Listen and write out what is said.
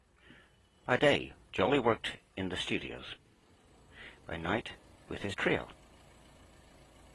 By day, Jolly worked in the studios; by night, with his trio.